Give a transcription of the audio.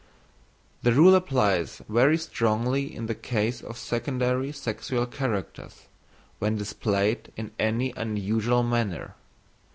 The rule applies very strongly in the case of secondary sexual characters, when displayed in any unusual manner.